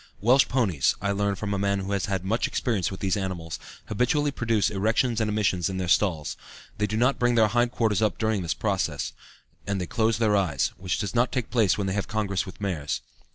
Welsh ponies, I learn from a man who has had much experience with these animals, habitually produce erections and emissions in their stalls; they do not bring their hind quarters up during this process, and they close their eyes, which does not take place when they have congress with mares.